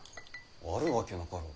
あるわけなかろう。